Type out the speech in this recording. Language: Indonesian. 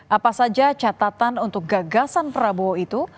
apa saja catatan untuk gagasan prabowo itu